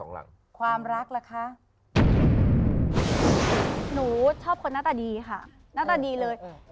หนูชอบคนหน้าตาดีค่ะหน้าตาดีเลย